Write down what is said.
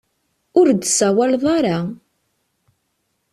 Ur d-tsawaleḍ ara.